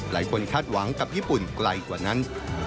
คาดหวังกับญี่ปุ่นไกลกว่านั้น